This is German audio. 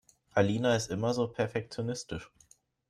Alina ist immer so perfektionistisch.